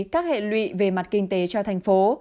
các hệ lụy về mặt kinh tế cho thành phố